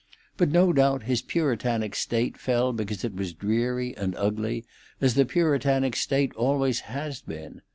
But no doubt his puritanic state fell because it was dreary and ugly, as the puritanic state always has been.